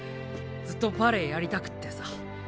ずっとバレエやりたくってさ。